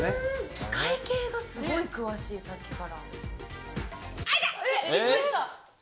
機械系がすごい詳しい、さっきから。